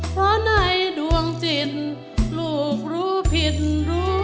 เพราะในดวงจิตลูกรู้ผิดรู้